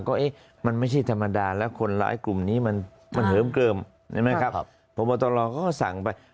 ก็มันไม่ใช่ธรรมดาแล้วคนละกลุ่มนี้มันเหิมเกิมน่าไม่ครับเพราะว่าตอนรอก็ขอสั่งไป